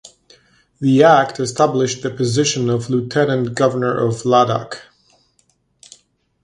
The act established the position of Lieutenant Governor of Ladakh.